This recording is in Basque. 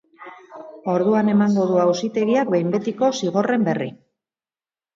Orduan emango du auzitegiak behin betiko zigorren berri.